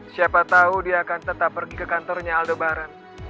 siapa tahu dia akan tetap pergi ke kantornya aldebaran